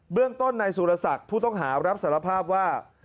เบื้องต้นในสุรษัตริย์ผู้ต้องหารับสารภาพว่า